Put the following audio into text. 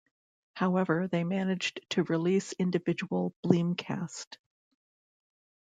However, they managed to release individual Bleemcast!